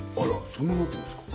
そんななってるんですか